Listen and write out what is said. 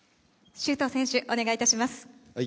周東選手、お願いいたします。